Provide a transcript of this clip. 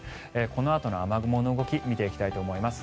このあとの雨雲の動き見ていきたいと思います。